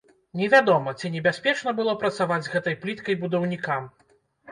Невядома, ці небяспечна было працаваць з гэтай пліткай будаўнікам.